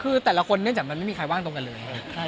คือแต่ละคนเนื่องจากมันไม่มีใครว่างตรงกันเลย